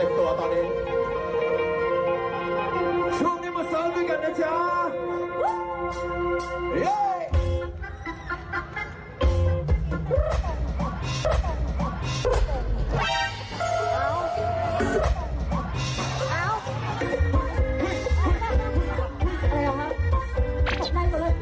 ช่วงนี้มาเสิร์ฟด้วยกันนะจ๊ะ